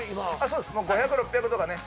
そうです５００６００とかね